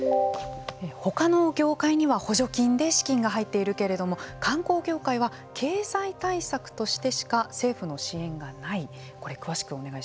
ほかの業界には補助金で資金が入っているけれども観光業界は経済対策としてしか政府の支援がない。